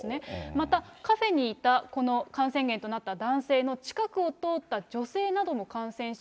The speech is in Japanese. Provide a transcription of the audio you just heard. またカフェにいたこの感染源となった男性の近くを通った女性なども感染し、